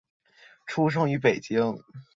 出生于北京。